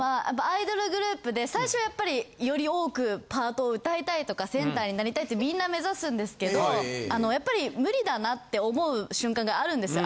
アイドルグループで最初はやっぱりより多くパートを歌いたいとかセンターになりたいってみんな目指すんですけどあのやっぱり無理だなって思う瞬間があるんです。